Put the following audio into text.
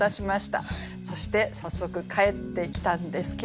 そして早速返ってきたんですけれどもうん。